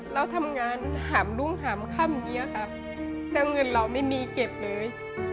เราทำงานหามรุ่งหามค่ำอย่างนี้ค่ะแล้วเงินเราไม่มีเก็บเลย